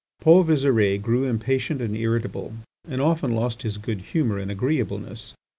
Paul Visire grew impatient and irritable, and often lost his good humour and agreeableness.